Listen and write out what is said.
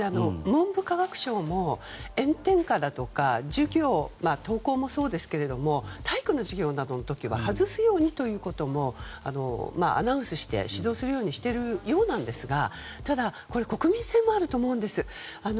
文部科学省も炎天下や授業登校もそうですけども体育の授業の時は外すようにということもアナウンスして指導するようにしているようなんですがただ、これは国民性もあると思うんです。